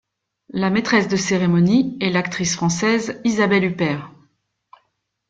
La maîtresse de cérémonie est l'actrice française Isabelle Huppert.